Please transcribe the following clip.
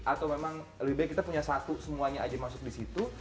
atau memang lebih baik kita punya satu semuanya aja masuk di situ